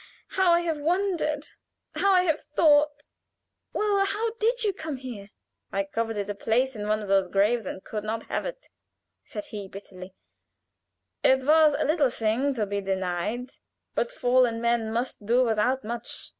How I have wondered! How I have thought well, how did you come here?" "I coveted a place in one of those graves, and couldn't have it," he said, bitterly. "It was a little thing to be denied, but fallen men must do without much.